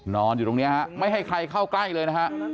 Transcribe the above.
นอนอยู่ตรงนี้ไม่ให้ใครเข้าใกล้เลย